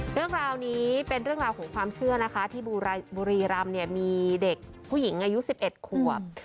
เรื่องราวนี้เป็นเรื่องราวของความเชื่อนะคะที่บุรีรำเนี่ยมีเด็กผู้หญิงอายุ๑๑ขวบ